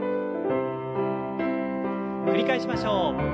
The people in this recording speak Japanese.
繰り返しましょう。